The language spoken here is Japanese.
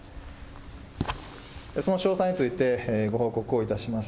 その詳細について、ご報告をいたします。